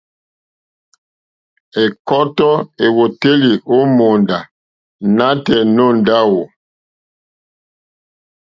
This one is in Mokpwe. Ɛ̀kɔ́tɔ́ èwòtélì ó mòóndá nǎtɛ̀ɛ̀ nǒ ndáwù.